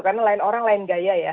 karena lain orang lain gaya ya